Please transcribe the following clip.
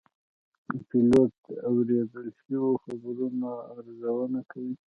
پیلوټ د اورېدل شوو خبرونو ارزونه کوي.